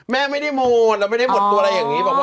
แม่ไม่ได้โมนเราไม่ได้หมดตัวอะไรอย่างนี้บอกว่า